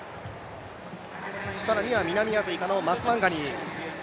更には南アフリカのマスワンガニー。